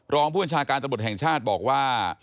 รองผู้บัญชาการตำรวจแห่งชาติบอกว่า